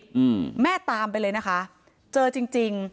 อืมแม่ตามไปเลยนะคะเจอจริงจริง